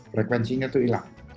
frekuensinya itu hilang